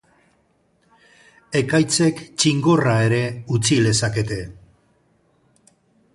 Ekaitzek txingorra ere utzi lezakete.